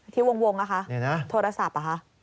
ที่วงนะคะโทรศัพท์เหรอคะ